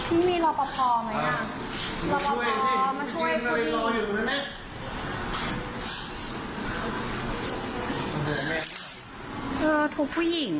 เออทุกผู้หญิงอ่ะ